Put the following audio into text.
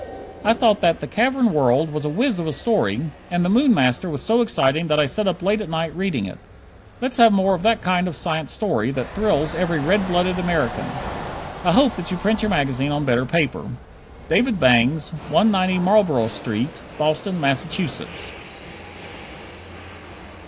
I thought that "The Cavern World" was a whiz of a story, and "The Moon Master" was so exciting that I sat up late at night reading it. Let's have more of that kind of science story, that thrills every red blooded American. I hope that you print your magazine on better paper. David Bangs, 190 Marlboro St., Boston, Mass.